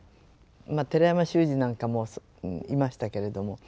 まあ寺山修司なんかもいましたけれども。